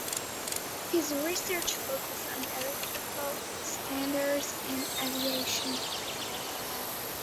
His research focused on electrical standards and aviation.